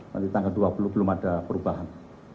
nanti tanggal dua puluh belum ada perubahan